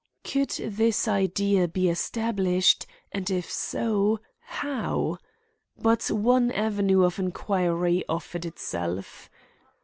Could this idea be established, and, if so, how? But one avenue of inquiry offered itself.